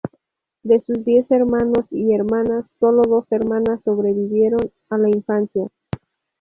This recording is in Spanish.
De sus diez hermanos y hermanas, sólo dos hermanas sobrevivieron a la infancia.